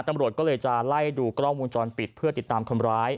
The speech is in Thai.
ตำรวจก็เลยจะไล่ดูกล้องวงจรปิดเพื่อติดตามคนร้าย